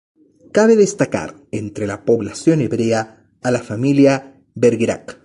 Cabe destacar, entre la población hebrea, a la familia Bergerac.